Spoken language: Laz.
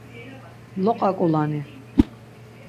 Loqa ǩulani.